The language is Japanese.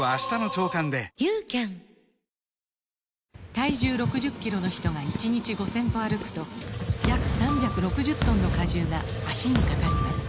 体重６０キロの人が１日５０００歩歩くと約３６０トンの荷重が脚にかかります